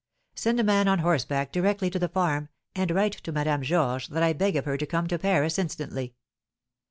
Send a man on horseback directly to the farm, and write to Madame Georges that I beg of her to come to Paris instantly.